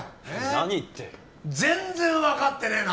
何って全然分かってねえな